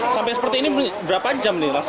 sampai seperti ini berapa jam nih rasa